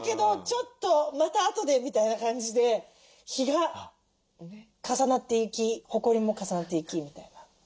ちょっとまたあとで」みたいな感じで日が重なっていきほこりも重なっていきみたいな。